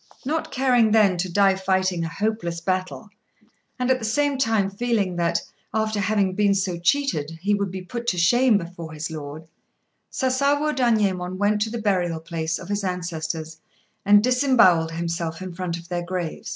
Not caring then to die fighting a hopeless battle, and at the same time feeling that, after having been so cheated, he would be put to shame before his lord, Sasawo Danyémon went to the burial place of his ancestors, and disembowelled himself in front of their graves.